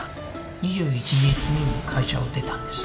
２１時すぎに会社を出たんです